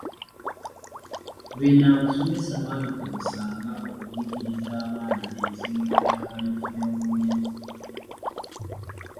Bino abasomesa baabikozesanga okuyigiriza abaana ensengeka ya walifu y’Olungereza.